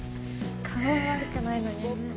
顔は悪くないのにね。